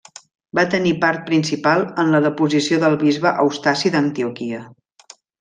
Va tenir part principal en la deposició del bisbe Eustaci d'Antioquia.